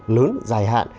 lớn dài hạn